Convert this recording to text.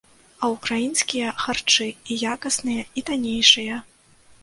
А ўкраінскія харчы і якасныя, і таннейшыя.